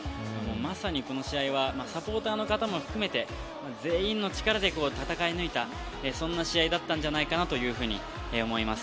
まさに、この試合はサポーターの方も含めて全員の力で戦い抜いたそんな試合だったんじゃないかと思います。